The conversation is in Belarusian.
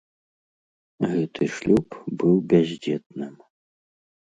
Гэты шлюб быў бяздзетным.